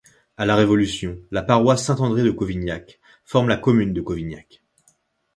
À la Révolution, la paroisse Saint-André de Cauvignac forme la commune de Cauvignac.